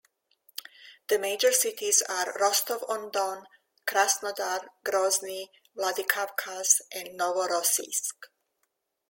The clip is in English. The major cities are Rostov-on-Don, Krasnodar, Grozny, Vladikavkaz, and Novorossiysk.